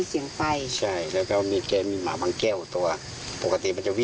ทีมข่าวเราก็เลยมีการไปคุยกับครอบครัวผู้เสียชีวิต